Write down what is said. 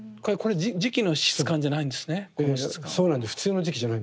普通の磁器じゃないんですね。